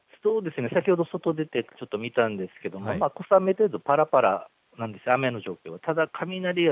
先ほど外出て、ちょっと見たんですけども、小雨程度、ぱらぱらなんです、雨の状況は。